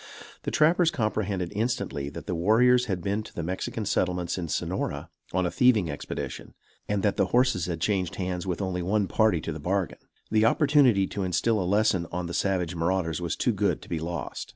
The trappers comprehended instantly that the warriors had been to the Mexican settlements in Sonora on a thieving expedition, and that the horses had changed hands with only one party to the bargain. The opportunity to instill a lesson on the savage marauders was too good to be lost.